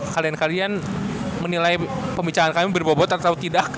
kalian kalian menilai pembicaraan kami berbobot atau tidak